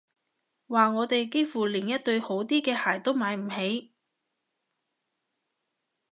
話我哋幾乎連一對好啲嘅鞋都買唔起